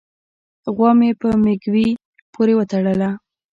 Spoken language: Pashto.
غوا مې په مږوي پورې و تړله